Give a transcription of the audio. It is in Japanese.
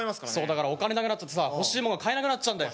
だからお金なくなっちゃってさ欲しいものが買えなくなっちゃうんだよ。